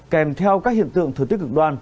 kèm theo các hiện tượng thời tiết cực đoan